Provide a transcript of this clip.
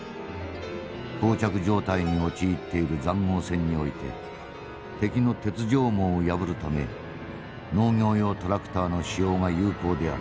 こう着状態に陥っている塹壕戦において敵の鉄条網を破るため農業用トラクターの使用が有効である。